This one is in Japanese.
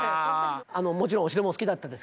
もちろんお城も好きだったですけどね